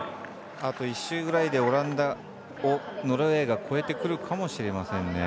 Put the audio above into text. あと１周ぐらいでオランダがノルウェーを超えてくるかもしれません。